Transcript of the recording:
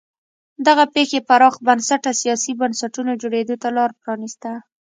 دغې پېښې پراخ بنسټه سیاسي بنسټونو جوړېدو ته لار پرانیسته.